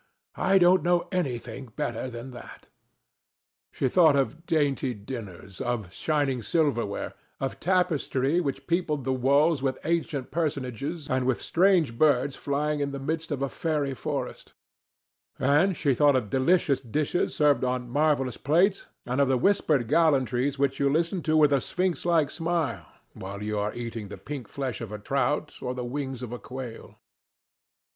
I don't know anything better than that," she thought of dainty dinners, of shining silverware, of tapestry which peopled the walls with ancient personages and with strange birds flying in the midst of a fairy forest; and she thought of delicious dishes served on marvelous plates, and of the whispered gallantries which you listen to with a sphinx like smile, while you are eating the pink flesh of a trout or the wings of a quail.